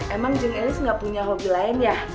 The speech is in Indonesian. emang jung elis gak punya hobi lain ya